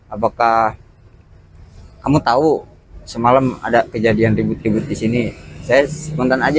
apakah kamu tahu semalam ada kejadian ribut ribut di sini saya spontan aja